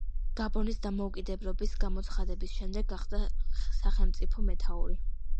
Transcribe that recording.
გაბონის დამოუკიდებლობის გამოცხადების შემდეგ გახდა სახელმწიფოს მეთაური.